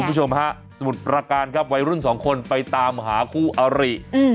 คุณผู้ชมฮะสมุทรประการครับวัยรุ่นสองคนไปตามหาคู่อาริ